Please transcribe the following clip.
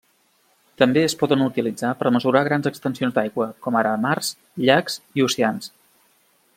També es poden utilitzar per mesurar grans extensions d'aigua com ara mars, llacs i oceans.